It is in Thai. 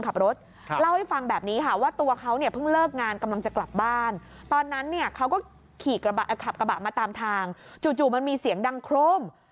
ขับกระบะมาตามทางจู่มันมีเสียงดังโคร่ม